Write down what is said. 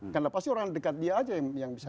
karena pasti orang dekat dia aja yang bisa